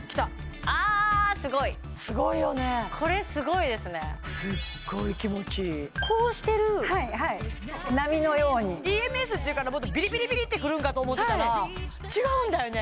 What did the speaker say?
あすごいすごいよねこれすごいですねこうしてるはいはい波のようにＥＭＳっていうからもっとビリビリビリってくるんかと思ってたら違うんだよね